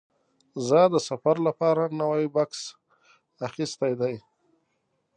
زه د سفر لپاره نوی بکس اخیستی دی.